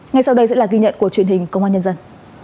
ngay sau đây sẽ là ghi nhận của truyền hình công an nhân dân